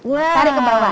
nah tarik ke bawah